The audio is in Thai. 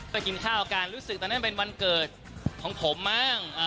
กินข้าวกันรู้สึกตอนนั้นเป็นวันเกิดของผมมั้ง